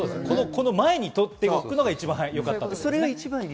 この前に取っておくのが一番いいってことですね。